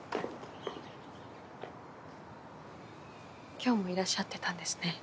今日もいらっしゃってたんですね。